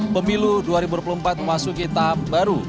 pemilu dua ribu empat belas memasuki tahap baru